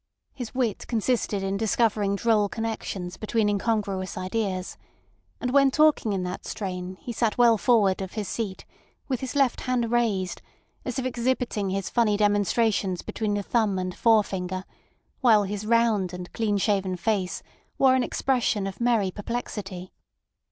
His wit consisted in discovering droll connections between incongruous ideas; and when talking in that strain he sat well forward of his seat, with his left hand raised, as if exhibiting his funny demonstrations between the thumb and forefinger, while his round and clean shaven face wore an expression of merry perplexity.